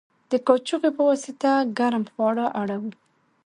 د کاچوغې په واسطه ګرم خواړه اړوو.